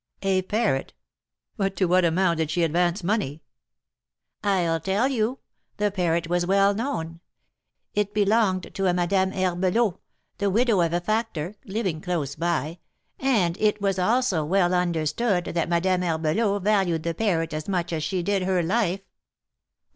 "A parrot? But to what amount did she advance money?" "I'll tell you; the parrot was well known; it belonged to a Madame Herbelot, the widow of a factor, living close by, and it was also well understood that Madame Herbelot valued the parrot as much as she did her life.